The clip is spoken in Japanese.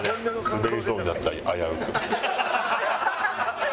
スベりそうになった危うく。